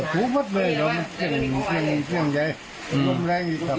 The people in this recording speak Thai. มึงพัดรังคาไปเลยเหรอ